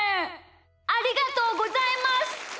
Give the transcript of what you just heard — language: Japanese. ありがとうございます。